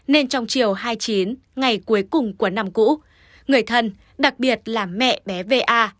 nên trong chiều hai mươi chín ngày cuối cùng của năm cũ người thân đặc biệt là mẹ bé va